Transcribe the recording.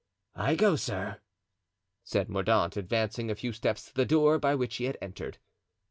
"I go, sir," said Mordaunt, advancing a few steps to the door by which he had entered.